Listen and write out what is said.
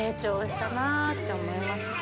って思いました。